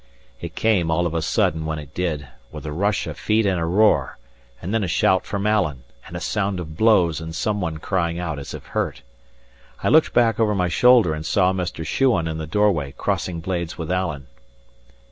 It came all of a sudden when it did, with a rush of feet and a roar, and then a shout from Alan, and a sound of blows and some one crying out as if hurt. I looked back over my shoulder, and saw Mr. Shuan in the doorway, crossing blades with Alan.